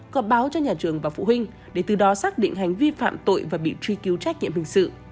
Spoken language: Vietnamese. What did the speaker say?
có báo cho nhà trường và phụ huynh để từ đó xác định hành vi phạm tội và bị truy cứu trách nhiệm hình sự